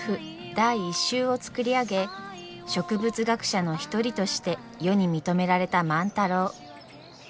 第１集を作り上げ植物学者の一人として世に認められた万太郎。